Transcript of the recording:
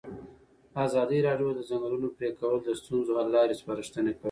ازادي راډیو د د ځنګلونو پرېکول د ستونزو حل لارې سپارښتنې کړي.